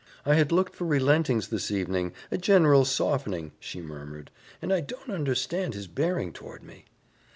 "I had looked for relentings this evening, a general softening," she murmured, "and I don't understand his bearing toward me."